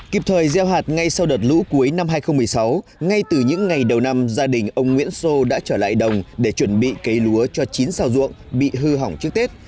kịp thời gieo hạt ngay sau đợt lũ cuối năm hai nghìn một mươi sáu ngay từ những ngày đầu năm gia đình ông nguyễn sô đã trở lại đồng để chuẩn bị cấy lúa cho chín xào ruộng bị hư hỏng trước tết